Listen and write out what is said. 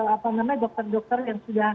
apa namanya dokter dokter yang sudah